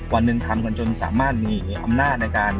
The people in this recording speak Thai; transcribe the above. วันหนึ่งทำกันจนสามารถมีอำนาจในการ